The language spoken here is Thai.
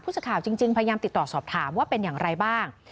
สื่อข่าวจริงพยายามติดต่อสอบถามว่าเป็นอย่างไรบ้าง